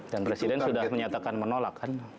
dan presiden sudah menyatakan menolak kan